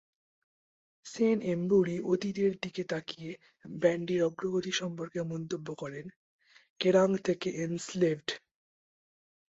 Shane Emburey অতীতের দিকে তাকিয়ে ব্যান্ডটির অগ্রগতি সম্পর্কে মন্তব্য করেন, "কেরাং থেকে এনস্লেভড...